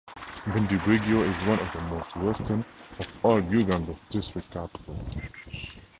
Bundibugyo is one of the most western of all Uganda's district capitals.